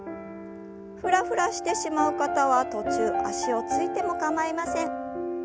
ふらふらしてしまう方は途中足をついても構いません。